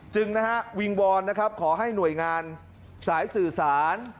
จึงวิงวอลขอให้หน่วยงานสายสื่อสาร